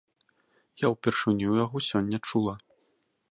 Я ўпершыню яго сёння чула.